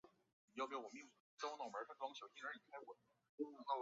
弗龙蒂尼昂德科曼热。